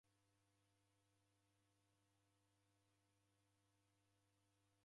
w'eka ni vongo mosi